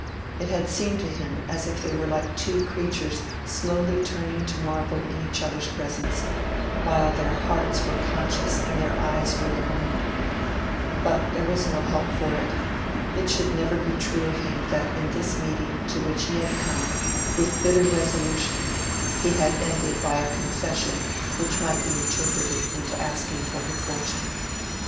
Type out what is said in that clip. It had seemed to him as if they were like two creatures slowly turning to marble in each other's presence, while their hearts were conscious and their eyes were yearning. But there was no help for it. It should never be true of him that in this meeting to which he had come with bitter resolution he had ended by a confession which might be interpreted into asking for her fortune.